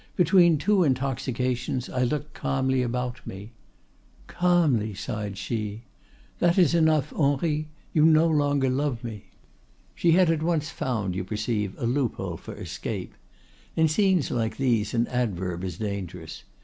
Between two intoxications I looked calmly about me.'—'Calmly!' sighed she. 'That is enough, Henri; you no longer love me.' "She had at once found, you perceive, a loophole for escape. In scenes like these an adverb is dangerous.